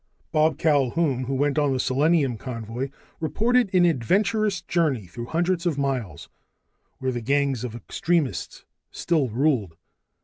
Bob Culquhoun, who went on the selenium convoy, reported an adventurous journey through hundreds of miles where gangs of extremists still ruled.